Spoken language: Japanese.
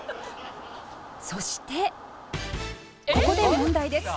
「そしてここで問題です」